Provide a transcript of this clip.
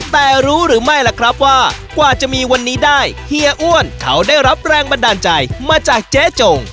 แต่รู้หรือไม่ล่ะครับว่ากว่าจะมีวันนี้ได้เฮียอ้วนเขาได้รับแรงบันดาลใจมาจากเจ๊จง